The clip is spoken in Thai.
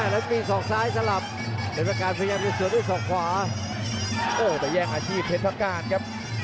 แล้วมีสองซ้ายสลับเฟยร์ปากกานภยำจะเสือดด้วยสองขวาโอ้เด้ลแย้งอาชีพเพชรภาการครับ